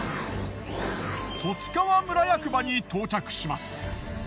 十津川村役場に到着します。